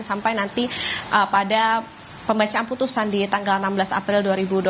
sampai nanti pada pembacaan putusan di tanggal enam belas april dua ribu dua puluh